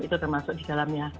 itu termasuk di dalamnya